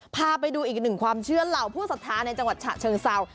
พาไปดูอีกหนึ่งความเชื่อเหล่าผู้สัทธาในจังหวัดฉะเชิงเศร้า